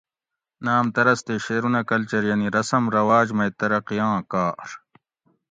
ناۤم طرز تے شعرونہ کلچر یعنی رسم رواۤج مئ ترقی آں کار